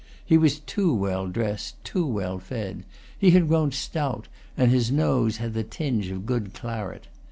He was too well dressed, too well fed; he had grown stout, and his nose had the tinge of good claret.